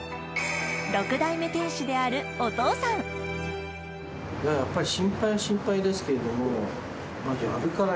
六代目店主であるお父さんそら